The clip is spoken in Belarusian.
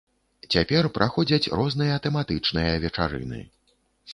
Цяпер праходзяць розныя тэматычныя вечарыны.